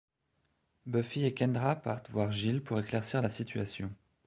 Buffy et Kendra partent voir Giles pour éclaircir la situation.